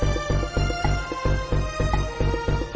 เอ้าผมเลยรู้ว่าดีอยู่แล้ว